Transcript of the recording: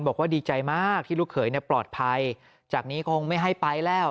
บอกว่าดีใจมากที่ลูกเขยปลอดภัยจากนี้คงไม่ให้ไปแล้ว